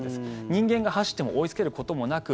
人間が走っても追いつけることもなく